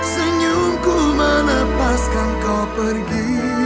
senyumku menepaskan kau pergi